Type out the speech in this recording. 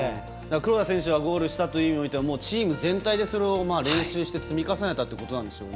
黒田選手がゴールしたというよりもチーム全体でそれを練習して積み重ねたということでしょうね。